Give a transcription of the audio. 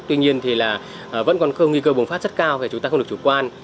tuy nhiên thì là vẫn còn không nghi cơ bùng phát rất cao về chúng ta không được chủ quan